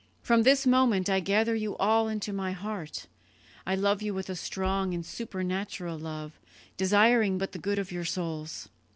From this moment I gather you all into my heart; I love you with a strong and supernatural love, desiring but the good of your souls.